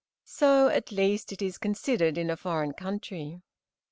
So, at least, it is considered in a foreign country.